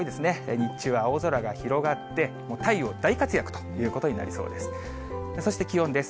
日中は青空が広がって、もう太陽、大活躍ということになりそうです。